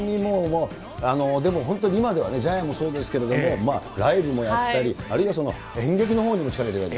でも本当に、今ではジャイアンもそうですけど、ライブもやったり、あるいは演劇のほうにも力入れられて。